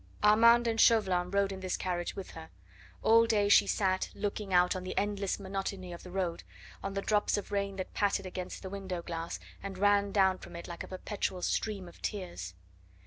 Armand and Chauvelin rode in this carriage with her; all day she sat looking out on the endless monotony of the road, on the drops of rain that pattered against the window glass, and ran down from it like a perpetual stream of tears.